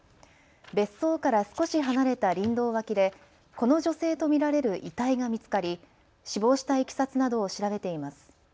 別荘から少し離れた林道脇でこの女性と見られる遺体が見つかり、死亡したいきさつなどを調べています。